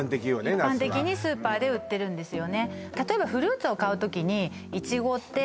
ナスは一般的にスーパーで売ってるんですよね